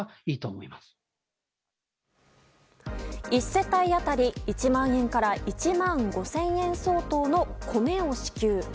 １世帯当たり１万円から１万５０００円相当の米を支給。